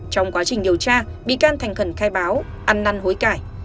trong quá trình điều tra bị can thành khẩn khai báo ăn năn hối cải